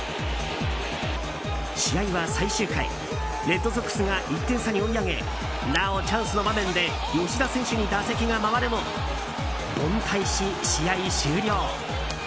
試合は最終回、レッドソックスが１点差に追い上げなおチャンスの場面で吉田選手に打席が回るも凡退し、試合終了。